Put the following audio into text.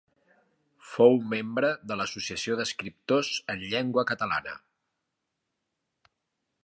Fou membre de l'Associació d'Escriptors en Llengua Catalana.